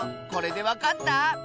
これでわかった？